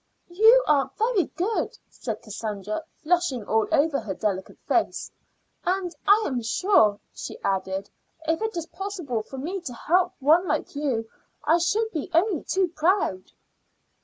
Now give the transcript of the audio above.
"You are very good," said Cassandra, flushing all over her delicate face; "and I am sure," she added, "if it is possible for me to help one like you, I should be only too proud."